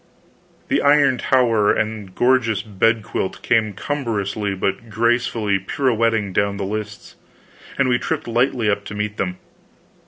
The iron tower and the gorgeous bedquilt came cumbrously but gracefully pirouetting down the lists, and we tripped lightly up to meet them.